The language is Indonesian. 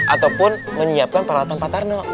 ataupun menyiapkan peralatan pak tarno